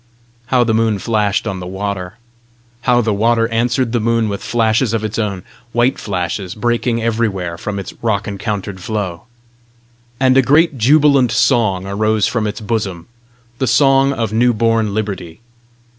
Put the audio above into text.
How the moon flashed on the water! how the water answered the moon with flashes of its own white flashes breaking everywhere from its rock encountered flow! And a great jubilant song arose from its bosom, the song of new born liberty.